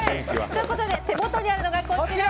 ということで手元にあるのがこちら。